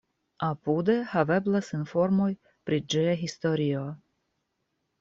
Apude haveblas informoj pri ĝia historio.